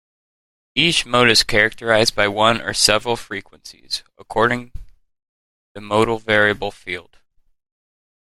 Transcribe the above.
Each mode is characterized by one or several frequencies, according the modal variable field.